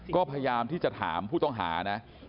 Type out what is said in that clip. ก็พยายามที่จะถามผู้ต้องหานะ